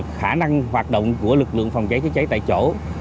khả năng hoạt động của lực lượng phòng cháy chữa cháy tại chỗ